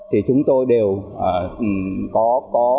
thì chúng tôi đều có lựa chọn